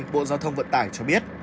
bộ giao thông vận tải cho biết